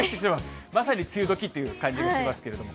まさに梅雨時という感じがしますけれども。